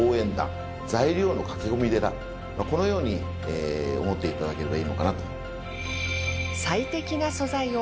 このように思っていただければいいのかなと。